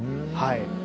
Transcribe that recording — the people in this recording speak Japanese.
はい。